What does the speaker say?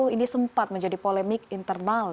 ini sempat menjadi polemik internal